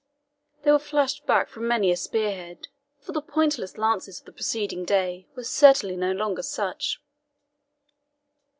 They were flashed back from many a spearhead, for the pointless lances of the preceding day were certainly no longer such.